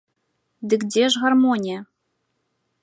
Дык дзе ж гармонія?